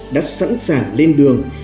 đã sẵn sàng lên đường